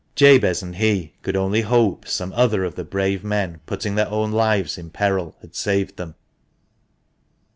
Jabez and he could only hope some other of the brave men, putting their own lives in peril, had saved them.